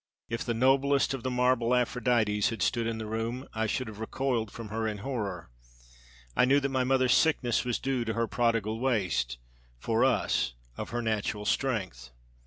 If the noblest of the marble Aphrodites had stood in the room I should have recoiled from her in horror. I knew that my mother's sickness was due to her prodigal waste, for us, of her natural strength.